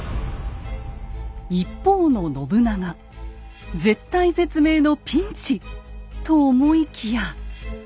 一方の信長絶体絶命のピンチ！と思いきや。